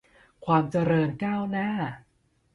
ความเจริญก้าวหน้า